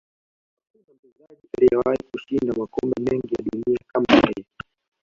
Hakuna mchezaji aliyewahi kushinda makombe mengi ya dunia kama yeye